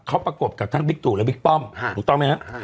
เขาประกบกับทั้งบิ๊กตู่และบิ๊กป้อมถูกต้องไหมครับ